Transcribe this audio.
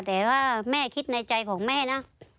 แต่ว่าแม่คิดในใจของแม่นะ